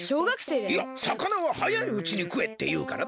いや「さかなははやいうちにくえ」っていうからな。